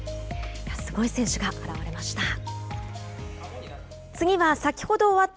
すごい選手が現れました。